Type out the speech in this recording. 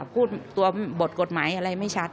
พูดตัวบทกฎหมายอะไรไม่ชัด